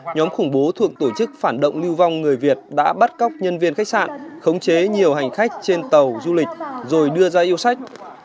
nhóm khủng bố thuộc tổ chức phản động lưu vong người việt đã bắt cóc nhân viên khách sạn khống chế nhiều hành khách trên tàu du lịch rồi đưa ra yêu sách